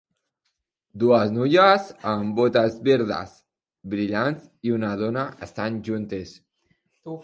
Dues noies amb botes verdes brillants i una dona estan juntes.